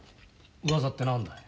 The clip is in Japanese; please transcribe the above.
うわさって何だい？